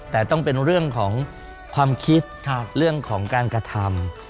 แต่ต้องเป็นเรื่องของความคิดเรื่องของการกระทำ